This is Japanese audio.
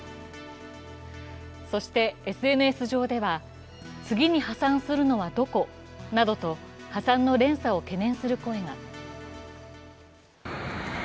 そしてＳＮＳ上では、次に破産するのはどこ？などと破産の連鎖を懸念する声が。